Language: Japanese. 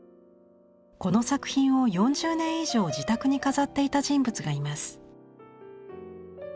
この作品を４０年以上自宅に飾っていた人物がいます。